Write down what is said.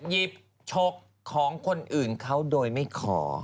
หยิบชกของคนอื่นเขาโดยไม่ขอ